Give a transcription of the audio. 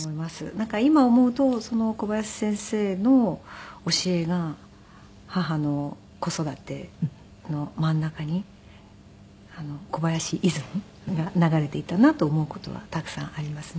なんか今思うと小林先生の教えが母の子育ての真ん中に小林イズムが流れていたなと思う事はたくさんありますね。